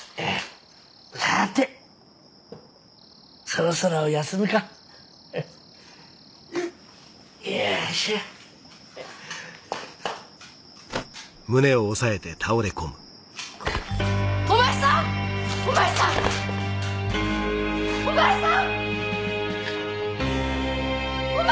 あぁお前さんお前さん！